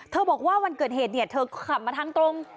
เธอบอกว่าวันเกิดเหตุเธอก็ขับมาทางตรง